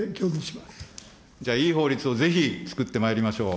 じゃあ、いい法律をぜひ作ってまいりましょう。